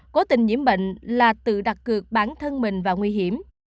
cố tình nhiễm bệnh là tự đặt cược bản thân mình và nguy hiểm